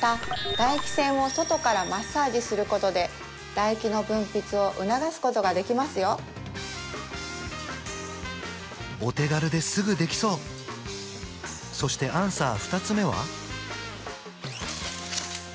唾液腺を外からマッサージすることで唾液の分泌を促すことができますよお手軽ですぐできそうそしてアンサー２つ目は？